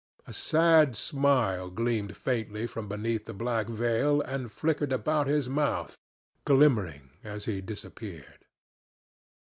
A sad smile gleamed faintly from beneath the black veil and flickered about his mouth, glimmering as he disappeared.